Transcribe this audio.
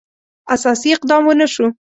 اساسي اقدام ونه شو.